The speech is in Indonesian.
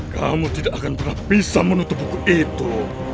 kamu tidak akan pernah bisa menutup buku itu